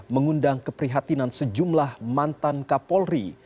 mengundang keprihatinan sejumlah mantan kapolri